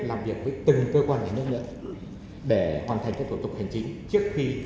làm việc với từng cơ quan nhà nước nữa để hoàn thành các thủ tục hành chính trước khi